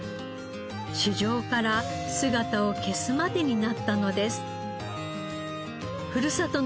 市場から姿を消すまでになったのです。